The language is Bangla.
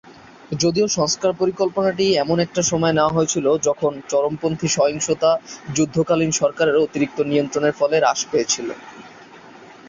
যদিও সংস্কার পরিকল্পনাটি এমন একটি সময়ে নেওয়া হয়েছিল যখন চরমপন্থী সহিংসতা যুদ্ধকালীন সরকারের অতিরিক্ত নিয়ন্ত্রণের ফলে হ্রাস পেয়েছিল।